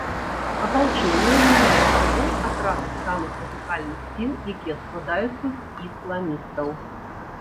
Апалчэнне ўяўляе сабой атрады самых радыкальных сіл, якія складаюцца з ісламістаў.